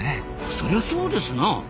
そりゃそうですな。